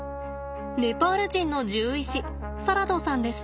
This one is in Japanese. ネパール人の獣医師サラドさんです。